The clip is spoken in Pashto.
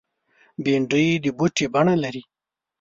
بېنډۍ د بوټي بڼه لري